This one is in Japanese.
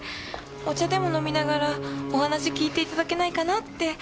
お茶でも飲みながらお話聞いて頂けないかなって。